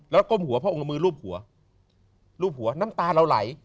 แล้วก้มหัวพระองค์เอามือรูปหัวรูปหัวน้ำตาเราไหล